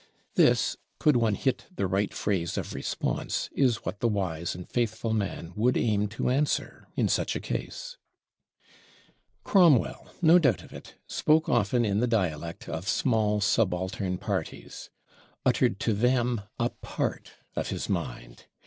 This, could one hit the right phrase of response, is what the wise and faithful man would aim to answer in such a case. Cromwell, no doubt of it, spoke often in the dialect of small subaltern parties; uttered to them a part of his mind.